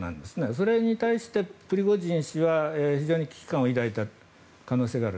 それに対して、プリゴジン氏は非常に危機感を抱いた可能性がある。